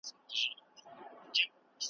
خو چي ښه نه وي درته غلیم سي .